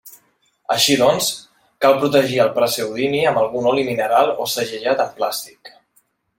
Així doncs, cal protegir el praseodimi amb algun oli mineral o segellat amb plàstic.